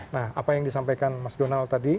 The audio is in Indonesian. nah apa yang disampaikan mas donald tadi